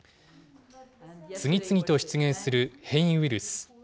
次々と出現する変異ウイルス。